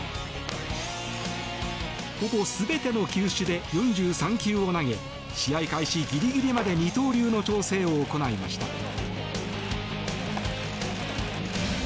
ほぼ全ての球種で４３球を投げ試合開始ギリギリまで二刀流の調整を行いました。